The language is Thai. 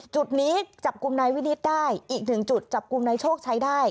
จุดนี้จับกลุ่มนายวินิตได้อีกหนึ่งจุดจับกลุ่มนายโชคชัยได้